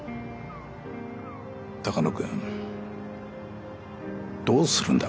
鷹野君どうするんだ？